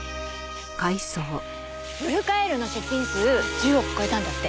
ウルカエールの出品数１０億超えたんだって。